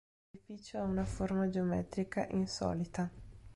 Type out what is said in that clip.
L'edificio ha una forma geometrica insolita.